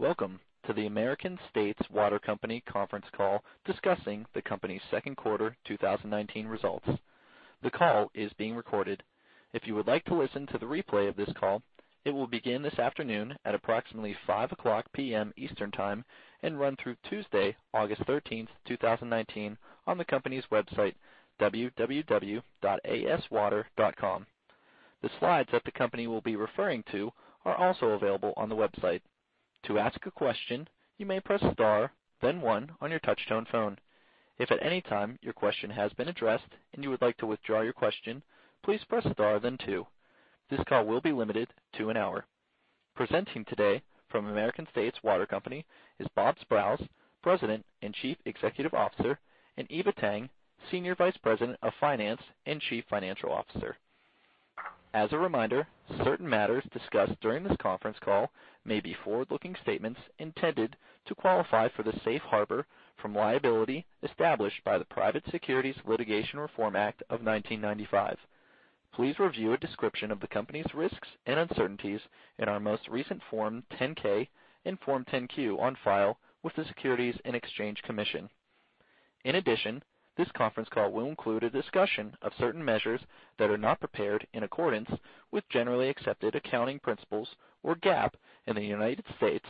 Welcome to the American States Water Company conference call discussing the company's second quarter 2019 results. The call is being recorded. If you would like to listen to the replay of this call, it will begin this afternoon at approximately 5:00 P.M. Eastern Time and run through Tuesday, August 13th, 2019, on the company's website, www.aswater.com. The slides that the company will be referring to are also available on the website. To ask a question, you may press star then one on your touchtone phone. If at any time your question has been addressed and you would like to withdraw your question, please press star then two. This call will be limited to an hour. Presenting today from American States Water Company is Bob Sprowls, President and Chief Executive Officer, and Eva Tang, Senior Vice President of Finance and Chief Financial Officer. As a reminder, certain matters discussed during this conference call may be forward-looking statements intended to qualify for the safe harbor from liability established by the Private Securities Litigation Reform Act of 1995. Please review a description of the company's risks and uncertainties in our most recent Form 10-K and Form 10-Q on file with the Securities and Exchange Commission. In addition, this conference call will include a discussion of certain measures that are not prepared in accordance with generally accepted accounting principles or GAAP in the United States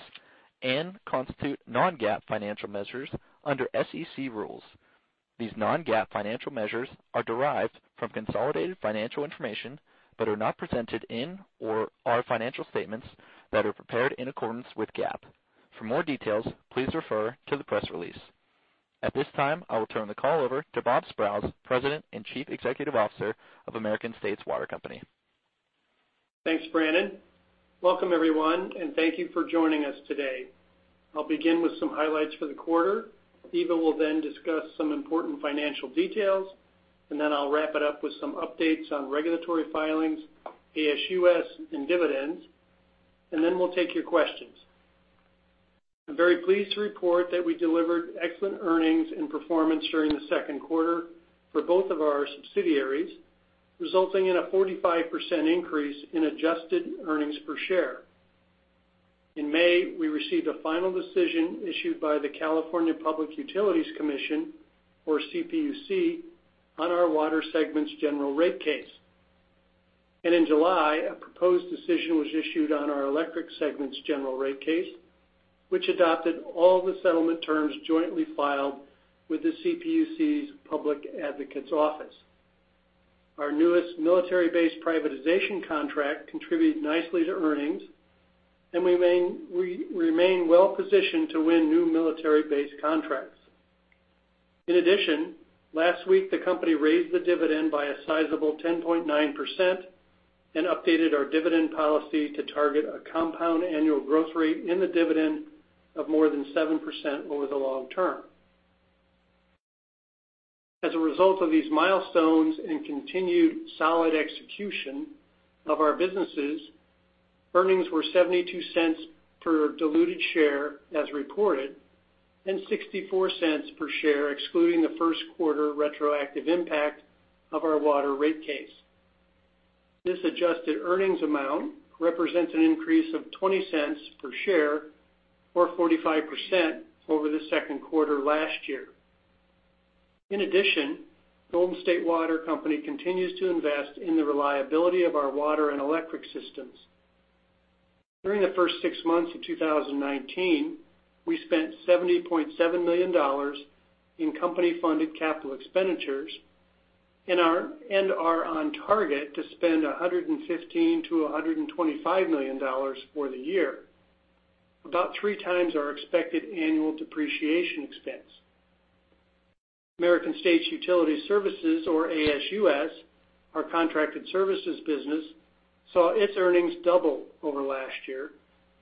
and constitute non-GAAP financial measures under SEC rules. These non-GAAP financial measures are derived from consolidated financial information but are not presented in or are financial statements that are prepared in accordance with GAAP. For more details, please refer to the press release. At this time, I will turn the call over to Bob Sprowls, President and Chief Executive Officer of American States Water Company. Thanks, Brendan. Welcome, everyone, thank you for joining us today. I'll begin with some highlights for the quarter. Eva will then discuss some important financial details, and then I'll wrap it up with some updates on regulatory filings, ASUS, and dividends, and then we'll take your questions. I'm very pleased to report that we delivered excellent earnings and performance during the second quarter for both of our subsidiaries, resulting in a 45% increase in adjusted earnings per share. In May, we received a final decision issued by the California Public Utilities Commission, or CPUC, on our water segment's general rate case. In July, a proposed decision was issued on our electric segment's general rate case, which adopted all the settlement terms jointly filed with the CPUC's Public Advocates Office. Our newest military base privatization contract contributed nicely to earnings, and we remain well positioned to win new military base contracts. Last week the company raised the dividend by a sizable 10.9% and updated our dividend policy to target a compound annual growth rate in the dividend of more than 7% over the long term. As a result of these milestones and continued solid execution of our businesses, earnings were $0.72 per diluted share as reported, and $0.64 per share excluding the first quarter retroactive impact of our water rate case. This adjusted earnings amount represents an increase of $0.20 per share or 45% over the second quarter last year. Golden State Water Company continues to invest in the reliability of our water and electric systems. During the first six months of 2019, we spent $70.7 million in company-funded capital expenditures and are on target to spend $115 million-$125 million for the year, about three times our expected annual depreciation expense. American States Utility Services, or ASUS, our contracted services business, saw its earnings double over last year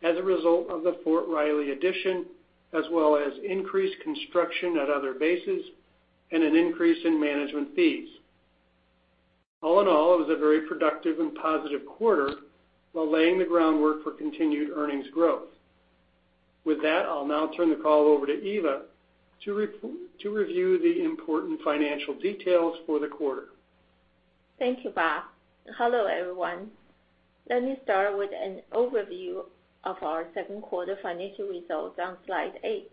as a result of the Fort Riley addition, as well as increased construction at other bases and an increase in management fees. All in all, it was a very productive and positive quarter while laying the groundwork for continued earnings growth. With that, I'll now turn the call over to Eva to review the important financial details for the quarter. Thank you, Bob. Hello, everyone. Let me start with an overview of our second quarter financial results on slide eight.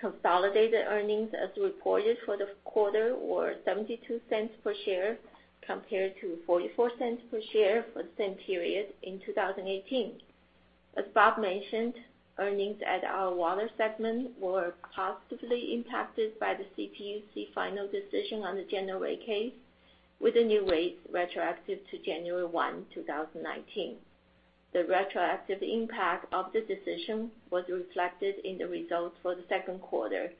Consolidated earnings as reported for the quarter were $0.72 per share compared to $0.44 per share for the same period in 2018. As Bob mentioned, earnings at our water segment were positively impacted by the CPUC final decision on the general rate case, with the new rates retroactive to January 1, 2019. The retroactive impact of the decision was reflected in the results for the second quarter,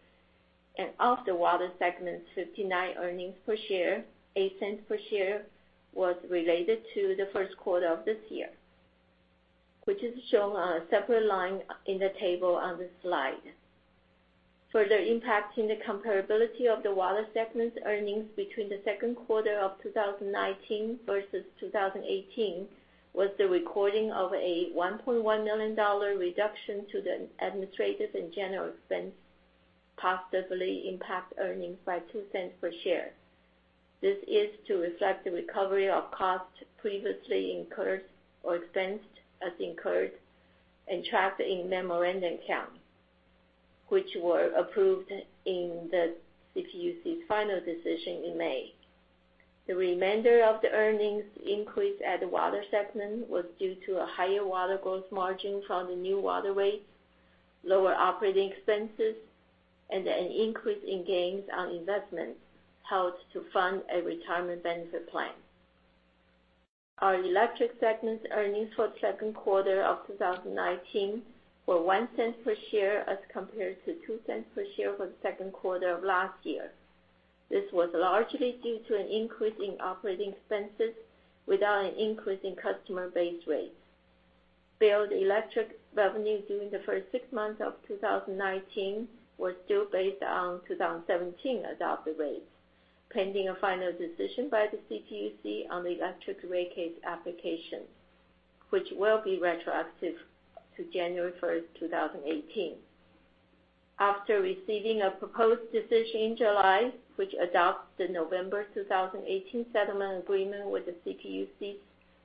and of the water segment's $0.59 earnings per share, $0.08 per share was related to the first quarter of this year, which is shown on a separate line in the table on this slide. Further impacting the comparability of the water segment's earnings between the second quarter of 2019 versus 2018 was the recording of a $1.1 million reduction to the administrative and general expense, positively impact earnings by $0.02 per share. This is to reflect the recovery of costs previously incurred or expensed as incurred and trapped in memorandum accounts, which were approved in the CPUC's final decision in May. The remainder of the earnings increase at the water segment was due to a higher water gross margin from the new water rates, lower operating expenses, and an increase in gains on investments held to fund a retirement benefit plan. Our electric segment earnings for the second quarter of 2019 were $0.01 per share as compared to $0.02 per share for the second quarter of last year. This was largely due to an increase in operating expenses without an increase in customer base rates. Billed electric revenue during the first six months of 2019 was still based on 2017 adopted rates, pending a final decision by the CPUC on the electric rate case application, which will be retroactive to January 1st, 2018. After receiving a proposed decision in July, which adopts the November 2018 settlement agreement with the CPUC's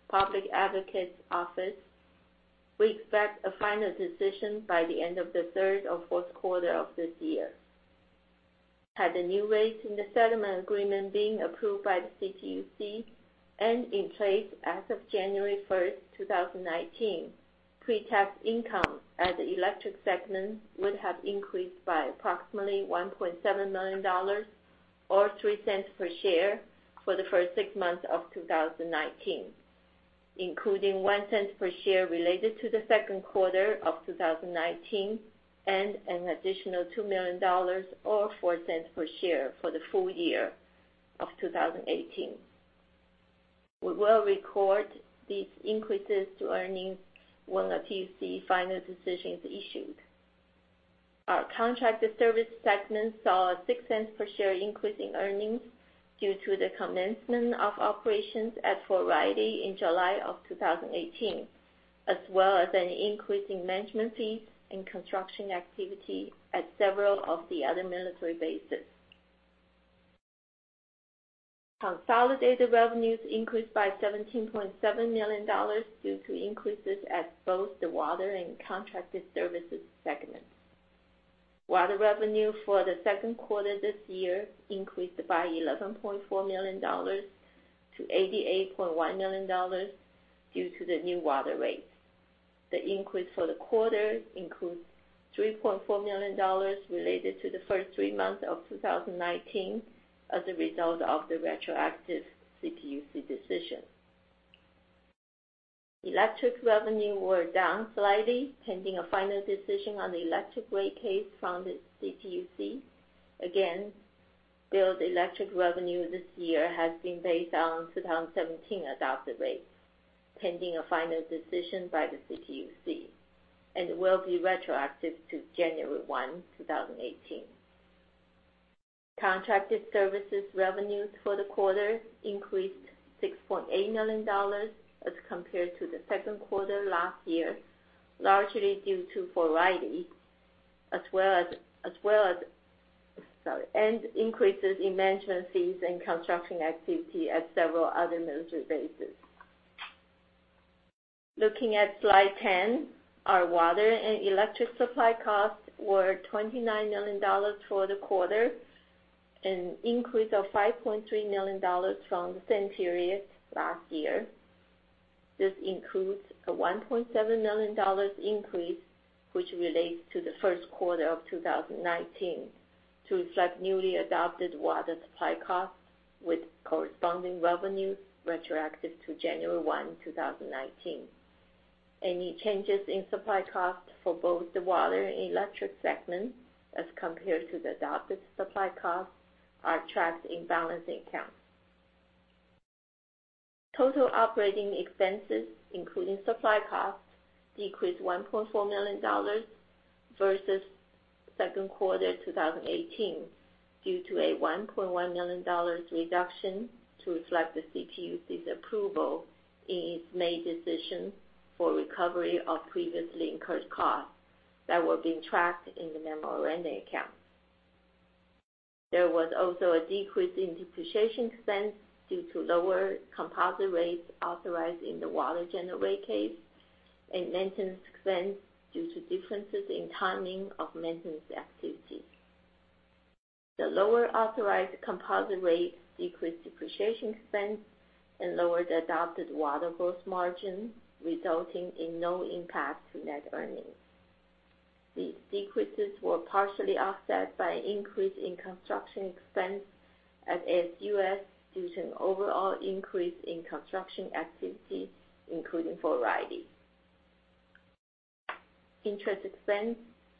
Public Advocates Office, we expect a final decision by the end of the third or fourth quarter of this year. Had the new rates in the settlement agreement been approved by the CPUC and in place as of January 1, 2019, pre-tax income at the electric segment would have increased by approximately $1.7 million or $0.03 per share for the first six months of 2019, including $0.01 per share related to the second quarter of 2019 and an additional $2 million or $0.04 per share for the full year of 2018. We will record these increases to earnings when the PUC final decision is issued. Our contracted service segment saw a $0.06 per share increase in earnings due to the commencement of operations at Fort Riley in July of 2018, as well as an increase in management fees and construction activity at several of the other military bases. Consolidated revenues increased by $17.7 million due to increases at both the water and contracted services segments. Water revenue for the second quarter this year increased by $11.4 million to $88.1 million due to the new water rates. The increase for the quarter includes $3.4 million related to the first three months of 2019 as a result of the retroactive CPUC decision. Electric revenue were down slightly, pending a final decision on the electric rate case from the CPUC. Again, billed electric revenue this year has been based on 2017 adopted rates, pending a final decision by the CPUC and will be retroactive to January 1, 2018. Contracted services revenues for the quarter increased $6.8 million as compared to the second quarter last year, largely due to Variety and increases in management fees and construction activity at several other military bases. Looking at Slide 10, our water and electric supply costs were $29 million for the quarter, an increase of $5.3 million from the same period last year. This includes a $1.7 million increase, which relates to the first quarter of 2019 to reflect newly adopted water supply costs with corresponding revenues retroactive to January 1, 2019. Any changes in supply costs for both the water and electric segments as compared to the adopted supply costs are tracked in balancing accounts. Total operating expenses, including supply costs, decreased $1.4 million versus second quarter 2018 due to a $1.1 million reduction to reflect the CPUC's approval in its May decision for recovery of previously incurred costs that were being tracked in the memorandum account. There was also a decrease in depreciation expense due to lower composite rates authorized in the water general rate case and maintenance expense due to differences in timing of maintenance activity. The lower authorized composite rate decreased depreciation expense and lowered adopted water gross margin, resulting in no impact to net earnings. These decreases were partially offset by an increase in construction expense at ASUS due to an overall increase in construction activity, including Fort Riley. Interest expense,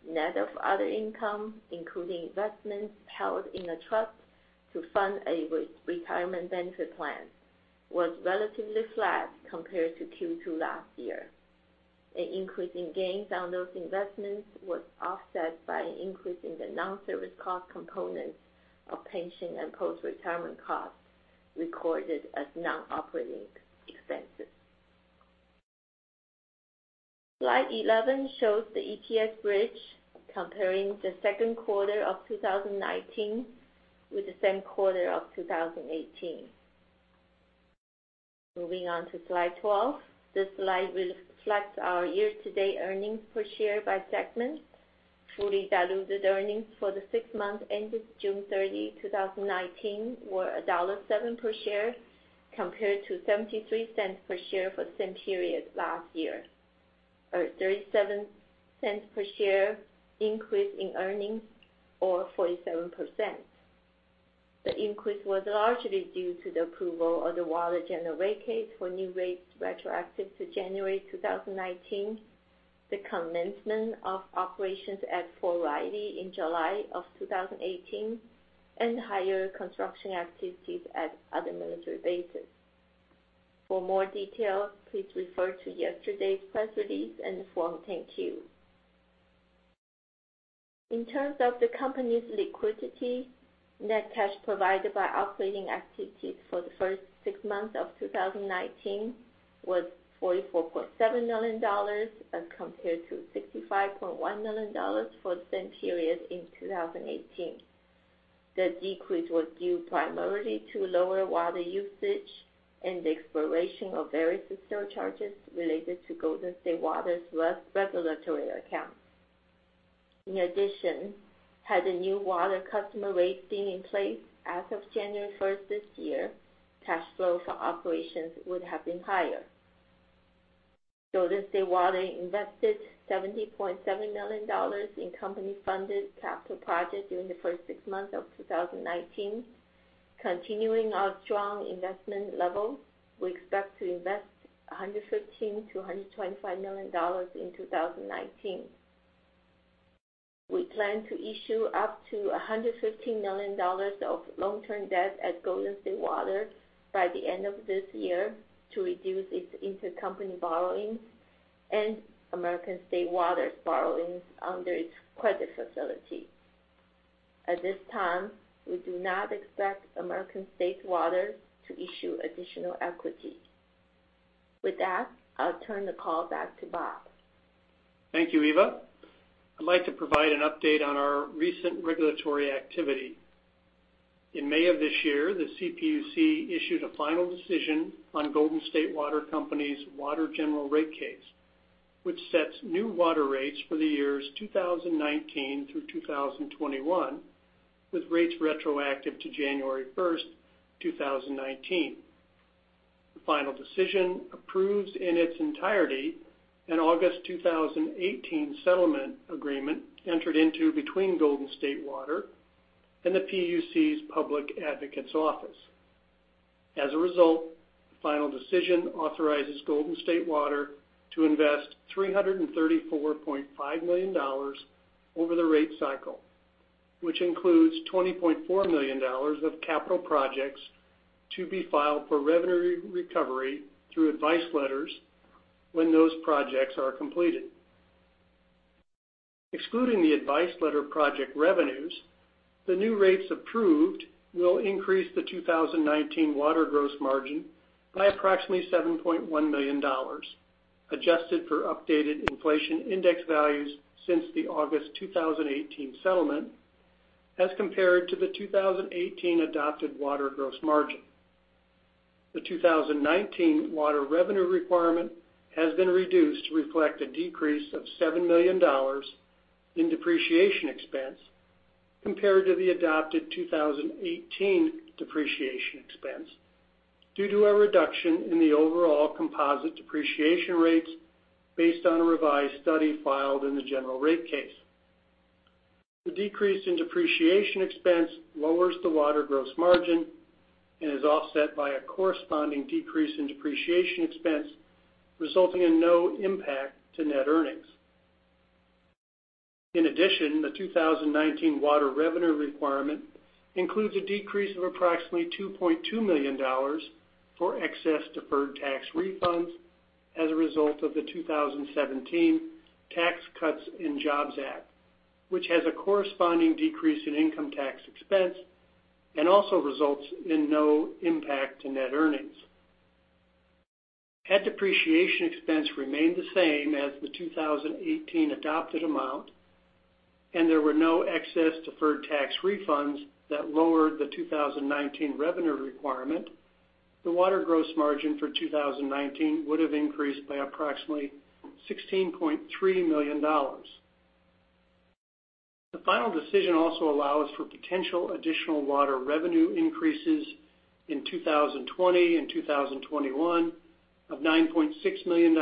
net of other income, including investments held in a trust to fund a retirement benefit plan, was relatively flat compared to Q2 last year. An increase in gains on those investments was offset by an increase in the non-service cost components of pension and post-retirement costs recorded as non-operating expenses. Slide 11 shows the EPS bridge comparing the second quarter of 2019 with the same quarter of 2018. Moving on to slide 12. This slide reflects our year-to-date earnings per share by segment. Fully diluted earnings for the six months ended June 30, 2019, were $1.07 per share, compared to $0.73 per share for the same period last year, or $0.37 per share increase in earnings, or 47%. The increase was largely due to the approval of the water general rate case for new rates retroactive to January 2019, the commencement of operations at Fort Riley in July of 2018, and higher construction activities at other military bases. For more details, please refer to yesterday's press release and the Form 10-Q. In terms of the company's liquidity, net cash provided by operating activities for the first six months of 2019 was $44.7 million as compared to $65.1 million for the same period in 2018. The decrease was due primarily to lower water usage and the expiration of various surcharges related to Golden State Water's regulatory accounts. Had the new water customer rates been in place as of January 1st this year, cash flow for operations would have been higher. Golden State Water invested $70.7 million in company-funded capital projects during the first six months of 2019. Continuing our strong investment level, we expect to invest $115 million-$125 million in 2019. We plan to issue up to $115 million of long-term debt at Golden State Water by the end of this year to reduce its intercompany borrowings and American States Water's borrowings under its credit facility. At this time, we do not expect American States Water to issue additional equity. With that, I'll turn the call back to Bob. Thank you, Eva. I'd like to provide an update on our recent regulatory activity. In May of this year, the CPUC issued a final decision on Golden State Water Company's water general rate case, which sets new water rates for the years 2019 through 2021, with rates retroactive to January 1st, 2019. The final decision approves in its entirety an August 2018 settlement agreement entered into between Golden State Water and the Public Advocates Office. As a result, the final decision authorizes Golden State Water to invest $334.5 million over the rate cycle, which includes $20.4 million of capital projects to be filed for revenue recovery through advice letters when those projects are completed. Excluding the advice letter project revenues, the new rates approved will increase the 2019 water gross margin by approximately $7.1 million, adjusted for updated inflation index values since the August 2018 settlement, as compared to the 2018 adopted water gross margin. The 2019 water revenue requirement has been reduced to reflect a decrease of $7 million in depreciation expense compared to the adopted 2018 depreciation expense, due to a reduction in the overall composite depreciation rates based on a revised study filed in the general rate case. The decrease in depreciation expense lowers the water gross margin and is offset by a corresponding decrease in depreciation expense, resulting in no impact to net earnings. In addition, the 2019 water revenue requirement includes a decrease of approximately $2.2 million for excess deferred tax refunds as a result of the 2017 Tax Cuts and Jobs Act, which has a corresponding decrease in income tax expense and also results in no impact to net earnings. Had depreciation expense remained the same as the 2018 adopted amount, and there were no excess deferred tax refunds that lowered the 2019 revenue requirement, the water gross margin for 2019 would have increased by approximately $16.3 million. The final decision also allows for potential additional water revenue increases in 2020 and 2021 of $9.6 million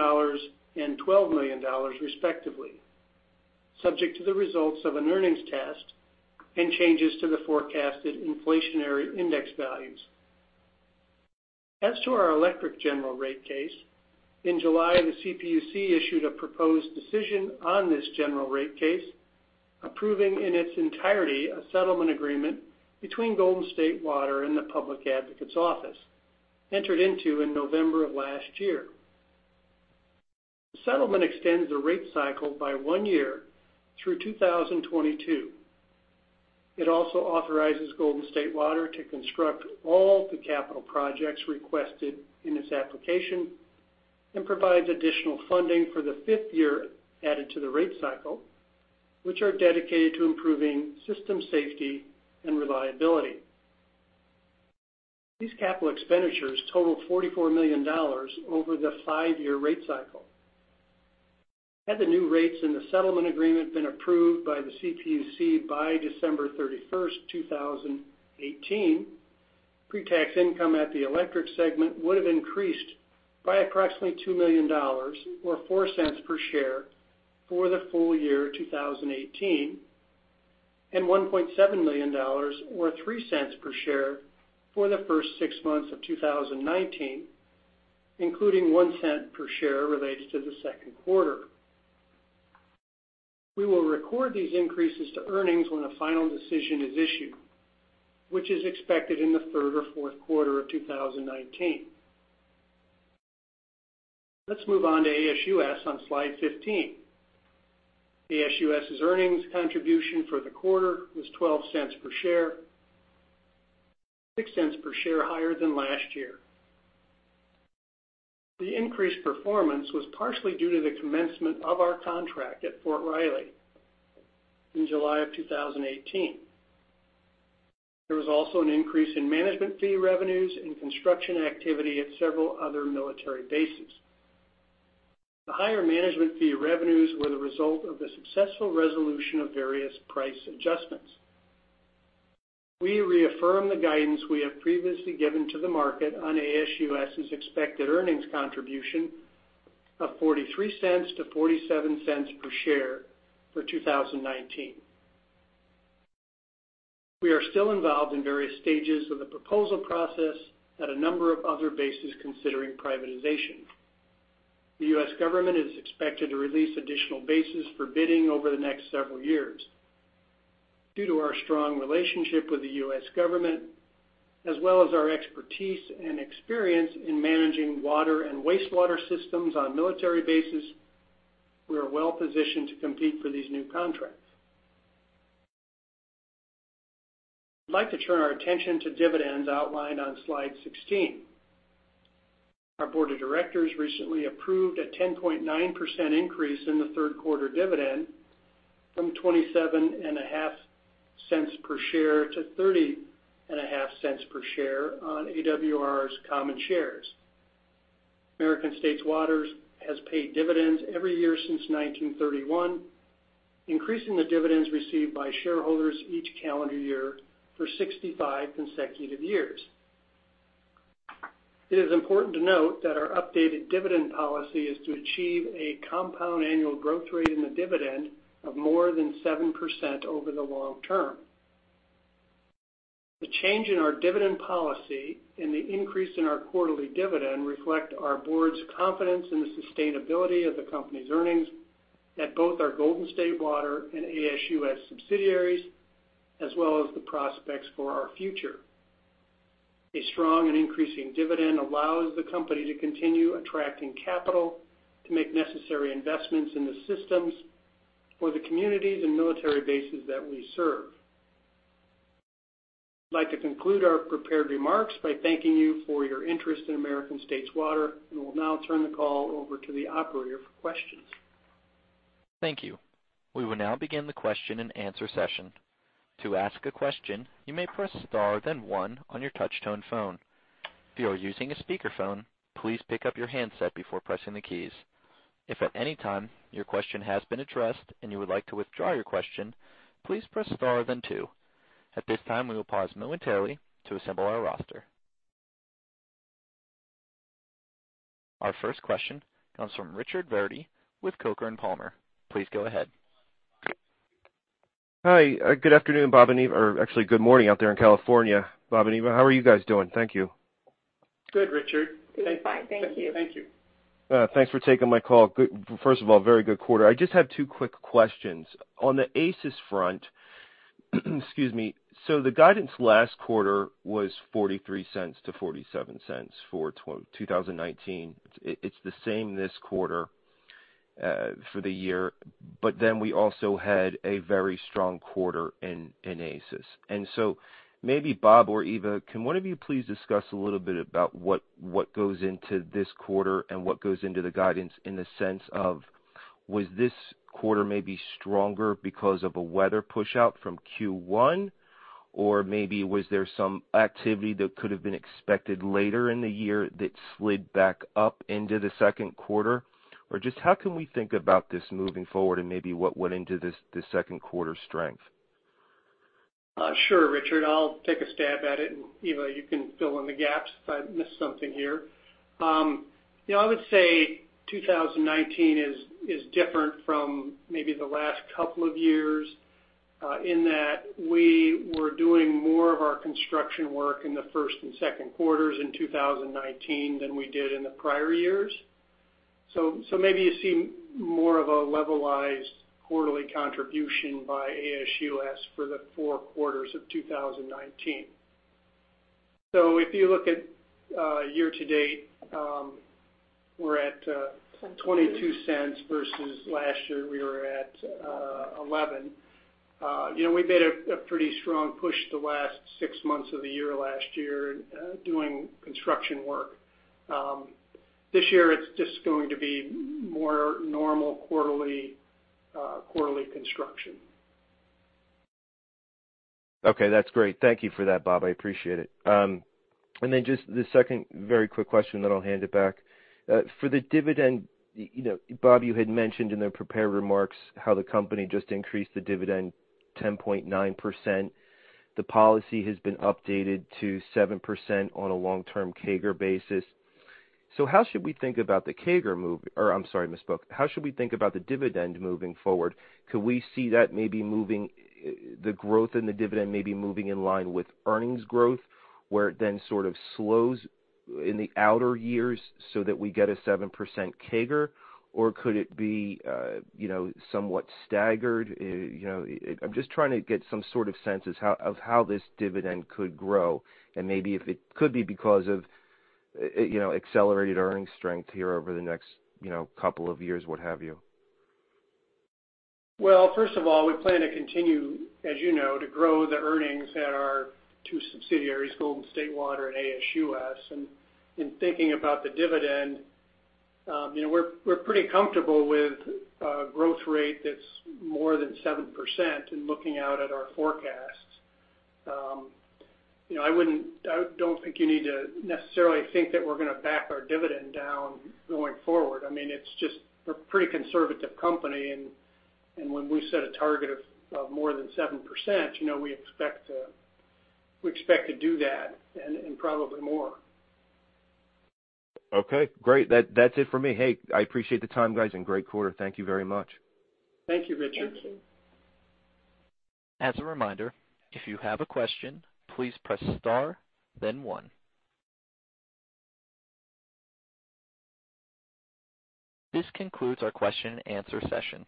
and $12 million, respectively, subject to the results of an earnings test and changes to the forecasted inflationary index values. As to our electric general rate case, in July, the CPUC issued a proposed decision on this general rate case, approving in its entirety a settlement agreement between Golden State Water and the Public Advocates Office, entered into in November of last year. The settlement extends the rate cycle by one year through 2022. It also authorizes Golden State Water to construct all the capital projects requested in its application and provides additional funding for the fifth year added to the rate cycle, which are dedicated to improving system safety and reliability. These capital expenditures total $44 million over the five-year rate cycle. Had the new rates in the settlement agreement been approved by the CPUC by December 31st, 2018, pre-tax income at the electric segment would have increased by approximately $2 million, or $0.04 per share, for the full year 2018, and $1.7 million, or $0.03 per share, for the first six months of 2019, including $0.01 per share related to the second quarter. We will record these increases to earnings when a final decision is issued, which is expected in the third or fourth quarter of 2019. Let's move on to ASUS on slide 15. ASUS's earnings contribution for the quarter was $0.12 per share, $0.06 per share higher than last year. The increased performance was partially due to the commencement of our contract at Fort Riley in July of 2018. There was also an increase in management fee revenues and construction activity at several other military bases. The higher management fee revenues were the result of the successful resolution of various price adjustments. We reaffirm the guidance we have previously given to the market on ASUS's expected earnings contribution of $0.43 to $0.47 per share for 2019. We are still involved in various stages of the proposal process at a number of other bases considering privatization. The U.S. government is expected to release additional bases for bidding over the next several years. Due to our strong relationship with the U.S. government, as well as our expertise and experience in managing water and wastewater systems on military bases, we are well-positioned to compete for these new contracts. I'd like to turn our attention to dividends outlined on slide 16. Our board of directors recently approved a 10.9% increase in the third quarter dividend from $0.275 per share to $0.305 per share on AWR's common shares. American States Water has paid dividends every year since 1931, increasing the dividends received by shareholders each calendar year for 65 consecutive years. It is important to note that our updated dividend policy is to achieve a compound annual growth rate in the dividend of more than 7% over the long term. The change in our dividend policy and the increase in our quarterly dividend reflect our board's confidence in the sustainability of the company's earnings at both our Golden State Water and ASUS subsidiaries, as well as the prospects for our future. A strong and increasing dividend allows the company to continue attracting capital to make necessary investments in the systems for the communities and military bases that we serve. I'd like to conclude our prepared remarks by thanking you for your interest in American States Water, and we'll now turn the call over to the operator for questions. Thank you. We will now begin the question and answer session. To ask a question, you may press star then one on your touch-tone phone. If you are using a speakerphone, please pick up your handset before pressing the keys. If at any time your question has been addressed and you would like to withdraw your question, please press star then two. At this time, we will pause momentarily to assemble our roster. Our first question comes from Richard Verdi with Coker & Palmer. Please go ahead. Hi, good afternoon, Bob and Eva, or actually good morning out there in California, Bob and Eva. How are you guys doing? Thank you. Good, Richard. Doing fine. Thank you. Thank you. Thanks for taking my call. First of all, very good quarter. I just have two quick questions. On the ASUS front, the guidance last quarter was $0.43 to $0.47 for 2019. It's the same this quarter for the year. We also had a very strong quarter in ASUS. Maybe Bob or Eva, can one of you please discuss a little bit about what goes into this quarter and what goes into the guidance in the sense of, was this quarter maybe stronger because of a weather push-out from Q1? Or maybe was there some activity that could have been expected later in the year that slid back up into the second quarter? Or just how can we think about this moving forward and maybe what went into this second quarter strength? Sure, Richard, I'll take a stab at it and Eva, you can fill in the gaps if I miss something here. I would say 2019 is different from maybe the last couple of years in that we were doing more of our construction work in the first and second quarters in 2019 than we did in the prior years. Maybe you see more of a levelized quarterly contribution by ASUS for the four quarters of 2019. If you look at year to date, we're at $0.22 versus last year we were at $0.11. We made a pretty strong push the last six months of the year last year doing construction work. This year it's just going to be more normal quarterly construction. Okay, that's great. Thank you for that, Bob. I appreciate it. Then just the second very quick question then I'll hand it back. For the dividend, Bob, you had mentioned in the prepared remarks how the company just increased the dividend 10.9%. The policy has been updated to 7% on a long-term CAGR basis. How should we think about the CAGR move-- or I'm sorry, I misspoke. How should we think about the dividend moving forward? Could we see that maybe moving the growth in the dividend may be moving in line with earnings growth, where it then sort of slows in the outer years so that we get a 7% CAGR? Could it be somewhat staggered? I'm just trying to get some sort of sense of how this dividend could grow and maybe if it could be because of accelerated earnings strength here over the next couple of years, what have you. Well, first of all, we plan to continue, as you know, to grow the earnings at our two subsidiaries, Golden State Water and ASUS. In thinking about the dividend, we're pretty comfortable with a growth rate that's more than 7% in looking out at our forecast. I don't think you need to necessarily think that we're going to back our dividend down going forward. I mean, it's just we're a pretty conservative company, and when we set a target of more than 7%, we expect to do that and probably more. Okay, great. That's it for me. Hey, I appreciate the time, guys, and great quarter. Thank you very much. Thank you, Richard. Thank you. As a reminder, if you have a question, please press star, then one. This concludes our question and answer session.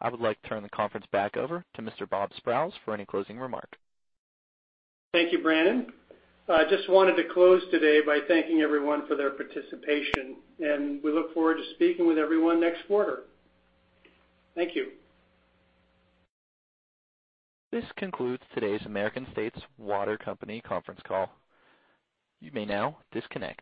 I would like to turn the conference back over to Mr. Bob Sprowls for any closing remark. Thank you, Brandon. I just wanted to close today by thanking everyone for their participation, and we look forward to speaking with everyone next quarter. Thank you. This concludes today's American States Water Company conference call. You may now disconnect.